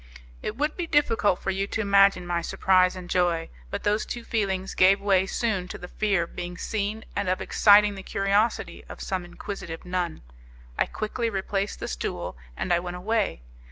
It would be difficult for you to imagine my surprise and joy. But those two feelings gave way soon to the fear of being seen and of exciting the curiosity of some inquisitive nun. I quickly replaced the stool, and I went away.